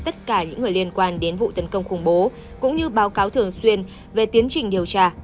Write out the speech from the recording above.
tất cả những người liên quan đến vụ tấn công khủng bố cũng như báo cáo thường xuyên về tiến trình điều tra